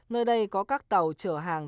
nơi đây có các tàu trở hàng